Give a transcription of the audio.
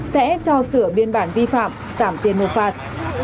sẽ cho sửa biên bản vi phạm giảm tiền nộp phạt